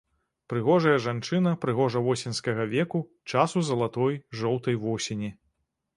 Прыгожая жанчына прыгожа-восеньскага веку, часу залатой, жоўтай восені.